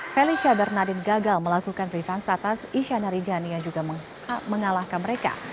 felicia bernardin gagal melakukan revans atas isyana rinjani yang juga mengalahkan mereka